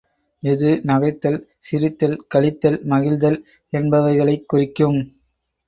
இது நகைத்தல், சிரித்தல், களித்தல், மகிழ்தல் என்பவைகளைக் குறிக்கும்.